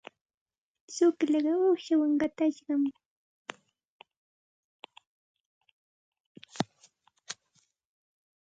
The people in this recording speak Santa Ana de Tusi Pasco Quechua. Tsullaaqa uuqshawan qatashqam.